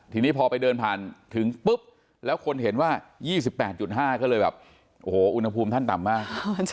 ทีนี้พอไปเดินผ่านถึงปุ๊บแล้วคนเห็นว่า๒๘๕ก็เลยแบบโอ้โหอุณหภูมิท่านต่ำมาก